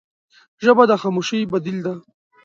ژبه د خاموشۍ بدیل ده